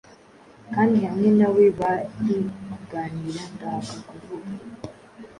Kandi hamwe na webari kuganira, ndahaka kuvuga